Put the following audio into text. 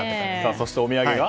そしてお土産が？